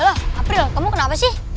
lah april kamu kenapa sih